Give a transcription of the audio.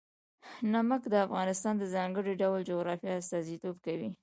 نمک د افغانستان د ځانګړي ډول جغرافیه استازیتوب کوي.